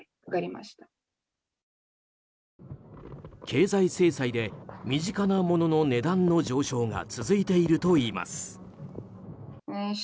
経済制裁で身近なものの値段の上昇が続いているといいます。